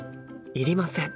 いりません。